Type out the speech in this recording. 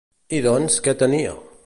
I doncs, què tenia?